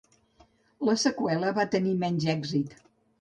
La seqüela va tenir menys èxit.